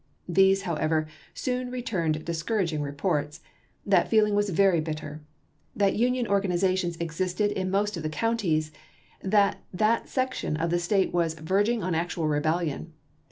These, however, soon returned discouraging reports : that feeling was very bitter ; that Union organizations existed in most of the counties; that that section of the State was " verging on actual rebellion."